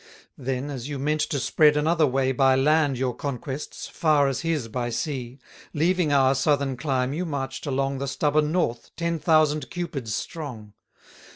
Then, as you meant to spread another way By land your conquests, far as his by sea, Leaving our southern clime you march'd along The stubborn North, ten thousand Cupids strong.